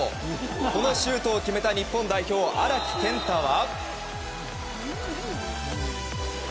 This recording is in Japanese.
このシュートを決めた日本代表、荒木健太は。